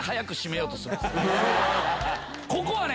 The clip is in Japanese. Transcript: ここはね